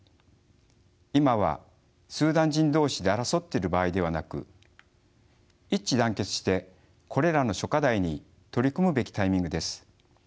今はスーダン人同士で争っている場合ではなく一致団結してこれらの諸課題に取り組むべきタイミングです。